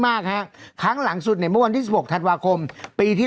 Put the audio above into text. มากฮะครั้งหลังสุดในเมื่อวันที่๑๖ธันวาคมปีที่